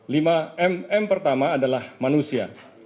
lima m m pertama adalah manusia